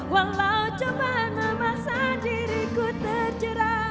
walau coba memaksa diriku terjerah